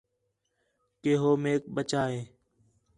کہ ہو میک بَچا ہِے